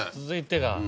続いてが。